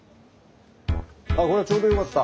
あっこれはちょうどよかった。